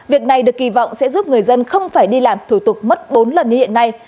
việc này được kỳ vọng sẽ giúp người dân không phải đi làm thủ tục mất bốn lần như hiện nay